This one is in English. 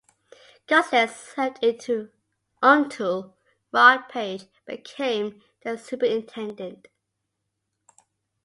Gonzalez served until Rod Paige became the superintendent.